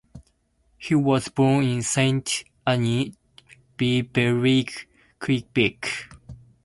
He was born in Sainte-Anne-de-Bellevue, Quebec.